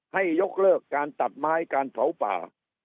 ให้ยกเลิกการตัดไม้การเผาป่า